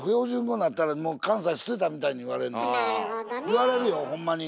言われるよほんまに。